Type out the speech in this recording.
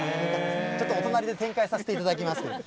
ちょっとお隣で展開させていただきます。